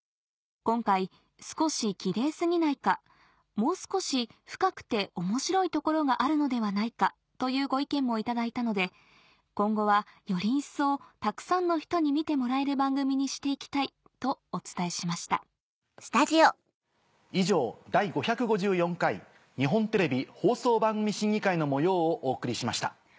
「今回『少しキレイ過ぎないか』『もう少し深くて面白いところがあるのではないか』というご意見も頂いたので今後はより一層たくさんの人に見てもらえる番組にして行きたい」とお伝えしました以上「第５５４回日本テレビ放送番組審議会」の模様をお送りしました。